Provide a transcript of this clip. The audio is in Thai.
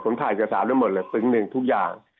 ผมถ่ายจักรศาสตร์ด้วยหมดเลยซึ้งหนึ่งทุกอย่าง